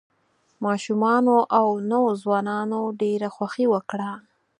ماشومانو او نوو ځوانانو ډېره خوښي وکړه.